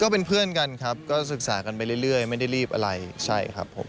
เป็นเพื่อนกันครับก็ศึกษากันไปเรื่อยไม่ได้รีบอะไรใช่ครับผม